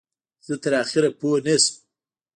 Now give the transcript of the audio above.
زه تر اخره پوی نشوم.